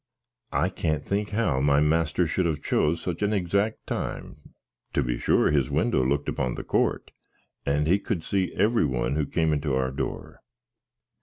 I can't think how my master should have choas such an exact time; to be sure, his windo looked upon the cort, and he could see every one who came into our door.